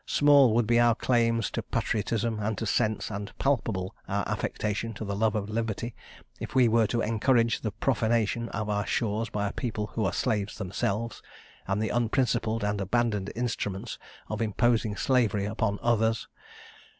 Small would be our claims to patriotism and to sense, and palpable our affectation of the love of liberty, if we were to encourage the profanation of our shores by a people who are slaves themselves, and the unprincipled and abandoned instruments of imposing slavery on others.